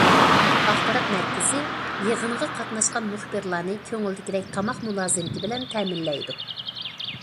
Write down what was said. ئاخبارات مەركىزى يىغىنغا قاتناشقان مۇخبىرلارنى كۆڭۈلدىكىدەك تاماق مۇلازىمىتى بىلەن تەمىنلەيدۇ.